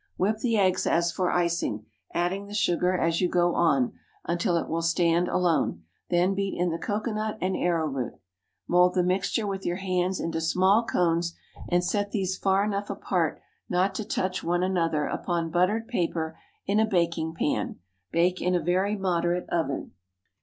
Whip the eggs as for icing, adding the sugar as you go on, until it will stand alone, then beat in the cocoanut and arrowroot. Mould the mixture with your hands into small cones, and set these far enough apart not to touch one another upon buttered paper in a baking pan. Bake in a very moderate oven.